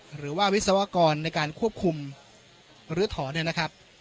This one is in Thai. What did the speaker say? หรือว่าวิศวกรในการควบคุมหรือถอนเนี่ยนะครับ